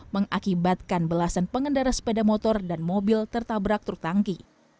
mengakibatkan belasan pengendara sepeda motor dan mobil tertabrak truk tangki